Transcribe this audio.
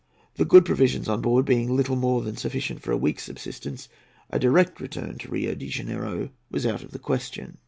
The good provisions on board being little more than sufficient for a week's subsistence, a direct return to Rio de Janeiro was out of the question."